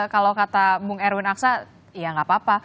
kalau kata bung erwin aksa ya nggak apa apa